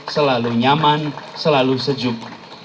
selalu nyaman selalu sejuk